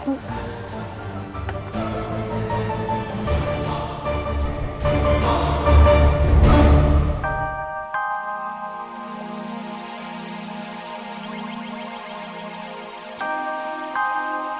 aku mau ke rumah